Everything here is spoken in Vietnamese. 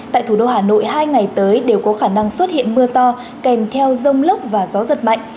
tại thủ đô hà nội hai ngày tới đều có khả năng xuất hiện mưa to kèm theo rông lốc và gió giật mạnh